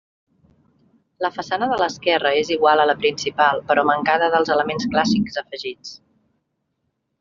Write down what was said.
La façana de l'esquerra és igual a la principal però mancada dels elements clàssics afegits.